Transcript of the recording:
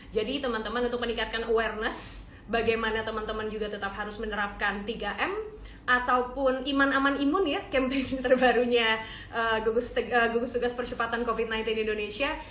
jadi teman teman untuk meningkatkan awareness bagaimana teman teman juga tetap harus menerapkan tiga m ataupun iman aman imun ya campaign terbarunya gugus tugas persebatan covid sembilan belas di indonesia